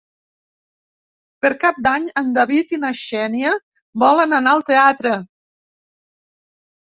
Per Cap d'Any en David i na Xènia volen anar al teatre.